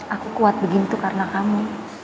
aku kuat begitu karena kamu